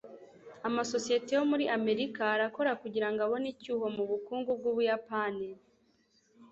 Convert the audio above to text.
amasosiyete yo muri amerika arakora kugirango abone icyuho mu bukungu bw'ubuyapani